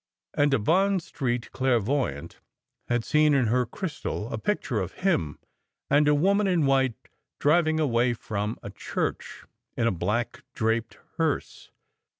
And a Bond Street clairvoyant had seen in her crystal a picture of him and a woman in white driving away from a church in a black draped hearse.